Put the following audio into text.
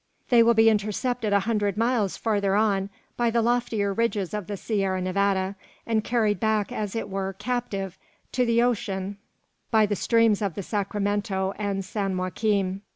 They will be intercepted a hundred miles farther on by the loftier ridges of the Sierra Nevada, and carried back, as it were, captive, to the ocean by the streams of the Sacramento and San Joaquim.